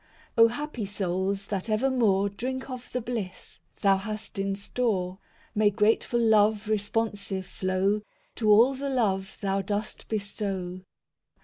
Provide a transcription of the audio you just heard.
V O happy souls that evermore Drink of the bliss Thou hast in store; May grateful love responsive flow To all the love Thou dost bestow.